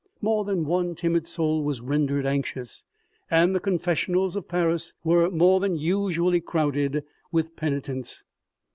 More than one timid soul was rendered anxious, and the confessionals of Paris were more than usually crowded with penitents.